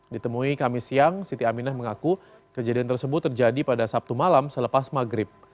ditemui kami siang siti aminah mengaku kejadian tersebut terjadi pada sabtu malam selepas maghrib